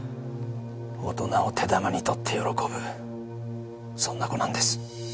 大人を手玉に取って喜ぶそんな子なんです。